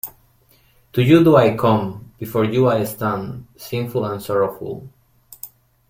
To you do I come, before you I stand, sinful and sorrowful.